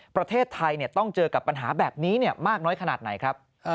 ประเทศไทยต้องเจอกับปัญหาแบบนี้มากน้อยขนาดไหนครับ